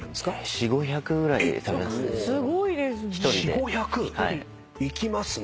４００５００？いきますね。